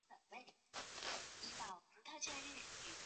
车辆的方向显示器与站内资讯看板以红色代表。